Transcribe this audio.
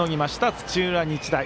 土浦日大。